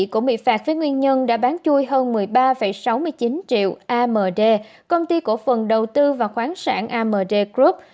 cũng bị phạt với nguyên nhân đã bán chui hơn một mươi ba sáu mươi chín triệu amd công ty cổ phần đầu tư và khoáng sản amd group